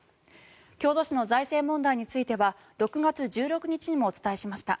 京都市の財政問題については６月１６日にもお伝えしました。